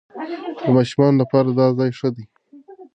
د ماشومانو لپاره دا ځای ښه دی.